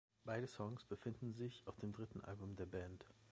Beide Songs befinden sich auf dem dritten Album der Band.